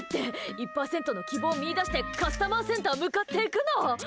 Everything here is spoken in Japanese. １％の希望見いだしてカスタマーセンター向かっていくの。